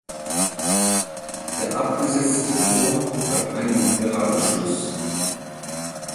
Der abgesetzte Chor hat einen geraden Schluss.